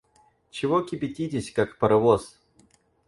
Чего кипятитесь, как паровоз?